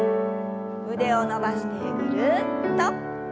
腕を伸ばしてぐるっと。